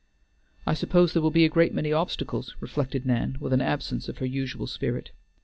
"I suppose there will be a great many obstacles," reflected Nan, with an absence of her usual spirit.